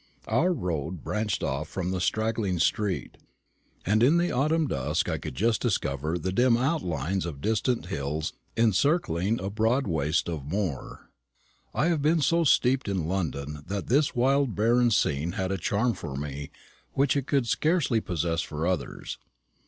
Our road branched off from the straggling street, and in the autumn dusk I could just discover the dim outlines of distant hills encircling a broad waste of moor. I have been so steeped in London that this wild barren scene had a charm for me which it could scarcely possess for others.